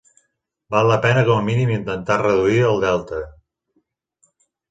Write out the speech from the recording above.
Val la pena com a mínim intentar reduir el delta.